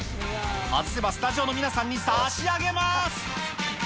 外せばスタジオの皆さんに差し上げます。